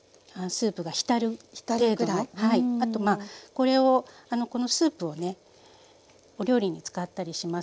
あとこれをこのスープをねお料理に使ったりしますので。